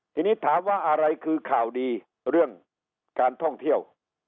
ทีนี้ถามว่าอะไรคือข่าวดีเรื่องการท่องเที่ยว